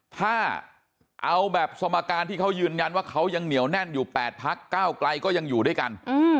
ถ้าเอาแบบสมการที่เขายืนยันว่าเขายังเหนียวแน่นอยู่๘พักก้าวไกลก็ยังอยู่ด้วยกัน